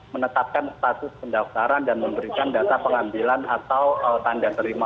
menetapkan status pendaftaran dan memberikan data pengambilan atau tanda terima